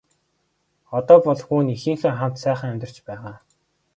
Одоо бол хүү нь эхийнхээ хамт сайхан амьдарч байгаа.